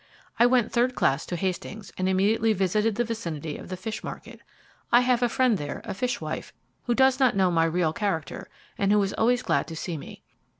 I went third class to Hastings, and immediately visited the vicinity of the fish market. I have a friend there, a fishwife, who does not know my real character, and who is always glad to see me.